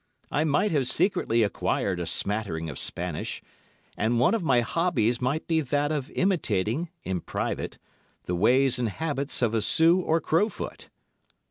I might have secretly acquired a smattering of Spanish, and one of my hobbies might be that of imitating, in private, the ways and habits of a Sioux or Crow Foot.